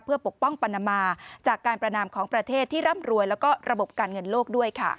เพื่อปกป้องปณมาจากการประนามของประเทศที่ร่ำรวยแล้วก็ระบบการเงินโลกด้วยค่ะ